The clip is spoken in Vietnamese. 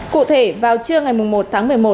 cụ thể vào trưa ngày một tháng một mươi một